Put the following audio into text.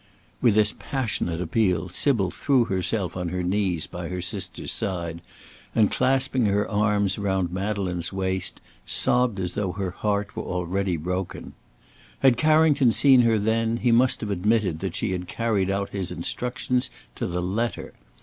With this passionate appeal, Sybil threw herself on her knees by her sister's side, and, clasping her arms around Madeleine's waist, sobbed as though her heart were already broken. Had Carrington seen her then he must have admitted that she had carried out his instructions to the letter.